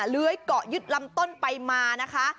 เลื้อยเกาะยึดลำต้นไปมานะคะ